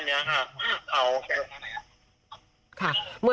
แล้วตอนนี้ค่ะเขา